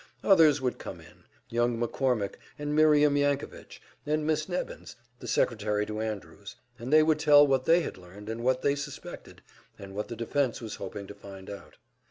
Others would come in young McCormick, and Miriam Yankovitch, and Miss Nebbins, the secretary to Andrews, and they would tell what they had learned and what they suspected, and what the defense was hoping to find out.